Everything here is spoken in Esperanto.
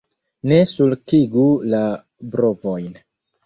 Ne sulkigu la brovojn!